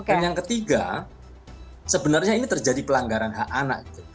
dan yang ketiga sebenarnya ini terjadi pelanggaran hak anak gitu